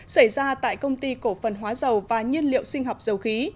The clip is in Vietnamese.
xảy ra tại công ty cổ phần hóa dầu và nhiên liệu sinh học dầu khí